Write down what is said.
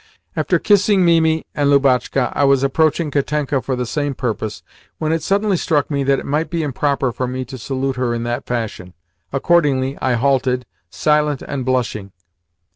After kissing Mimi and Lubotshka, I was approaching Katenka for the same purpose when it suddenly struck me that it might be improper for me to salute her in that fashion. Accordingly I halted, silent and blushing.